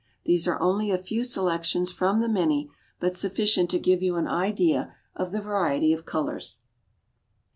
These are only a few selections from the many, but sufficient to give you an idea of the variety of colors.